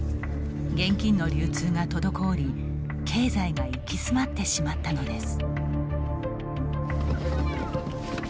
現金の流通が滞り、経済が行き詰まってしまったのです。